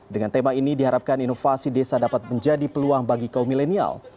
dengan tema ini diharapkan inovasi desa dapat menjadi peluang bagi kaum milenial